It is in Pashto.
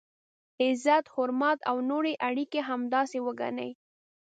عزت، حرمت او نورې اړیکي همداسې وګڼئ.